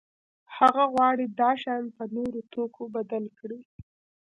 هغه غواړي دا شیان په نورو توکو بدل کړي.